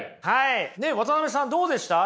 渡辺さんどうでした？